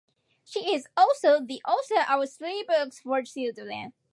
She is also the author of three books for children.